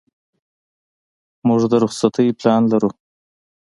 موږ د رخصتۍ پلان لرو.